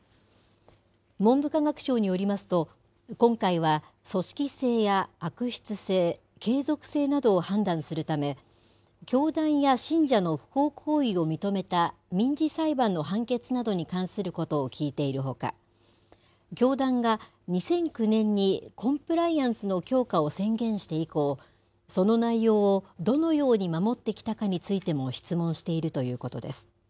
文部科学省によりますと、今回は組織性や悪質性、継続性などを判断するため、教団や信者の不法行為を認めた、民事裁判の判決などに関することを聞いているほか、教団が２００９年にコンプライアンスの強化を宣言して以降、その内容をどのように守ってきたかについても質問しているということです。